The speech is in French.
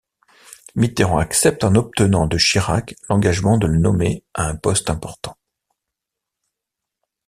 Mitterrand accepte en obtenant de Chirac l'engagement de le nommer à un poste important.